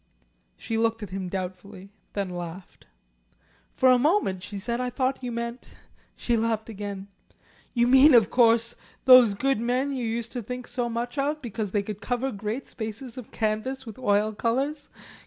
She looked at him doubtfully. Then laughed. "For a moment," she said, "I thought you meant " She laughed again. "You mean, of course, those good men you used to think so much of because they could cover great spaces of canvas with oil colours?